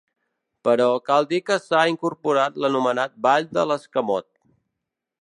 Però, cal dir que s'ha incorporat l'anomenat ball de l'escamot.